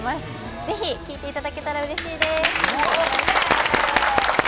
ぜひ聴いていただけたら嬉しいです！